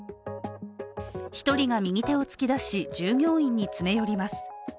１人が右手を突き出し、従業員に詰め寄ります。